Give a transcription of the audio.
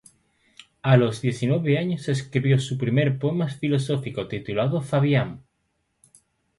A los diecinueve años escribió su primer poema filosófico, titulado "Fabián".